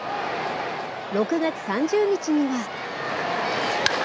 ６月３０日には。